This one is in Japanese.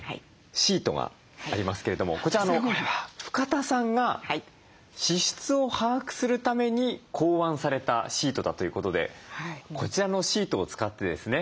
シートがありますけれどもこちら深田さんが支出を把握するために考案されたシートだということでこちらのシートを使ってですね